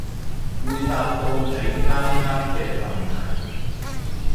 會答到你啱啱嘅問題